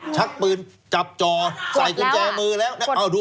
ชักปืนจับจ่อใส่กุญแจมือแล้วดู